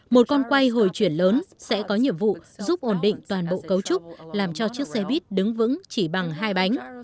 một con quay hồi chuyển lớn sẽ có nhiệm vụ giúp ổn định toàn bộ cấu trúc làm cho chiếc xe buýt đứng vững chỉ bằng hai bánh